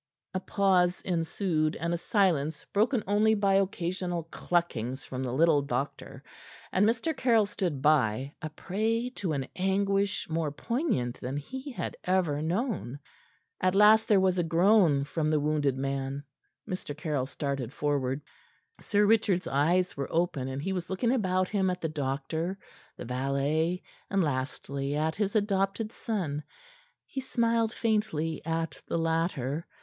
A pause ensued, and a silence broken only by occasional cluckings from the little doctor, and Mr. Caryll stood by, a prey to an anguish more poignant than he had ever known. At last there was a groan from the wounded man. Mr. Caryll started forward. Sir Richard's eyes were open, and he was looking about him at the doctor, the valet, and, lastly, at his adopted son. He smiled faintly at the latter.